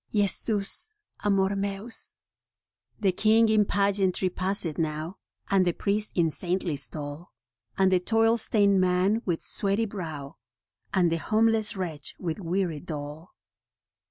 Jesus Amor Meus. The king in pageantry passeth now, And the priest in saintly stole, And the toiled stained man with sweaty brow, And the homeless wretch with weary dole.